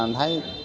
lên làm thấy